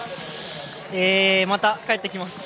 また帰ってきます。